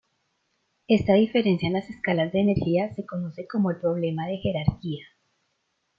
Esta diferencia en las escalas de energía se conoce como el problema de jerarquía.